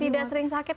tidak sering sakit